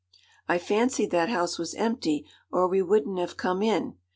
'I fancied that house was empty, or we wouldn't have come in.